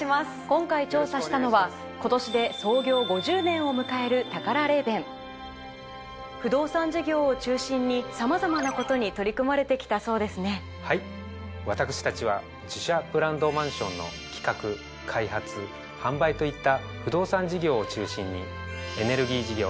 今回調査したのは今年で創業５０年を迎えるタカラレーベン不動産事業を中心にさまざまなことに取り組まれて来たそうですね。はい私たちは自社ブランドマンションの企画開発販売といった不動産事業を中心に。